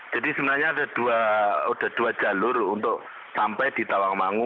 jadi sebenarnya ada dua jalur untuk sampai di tawangmangu